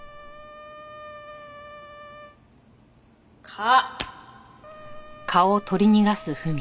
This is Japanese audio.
蚊。